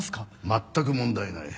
全く問題ない。